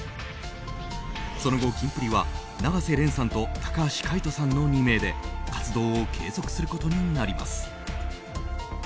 その後、キンプリは永瀬廉さんと高橋海人さんの２名で活動を継続することになります。